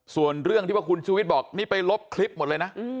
ส่วนเรื่องที่ว่าคุณชูวิทย์บอกนี่ไปลบคลิปหมดเลยนะ